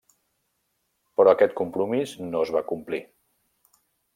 Però aquest compromís no es va complir.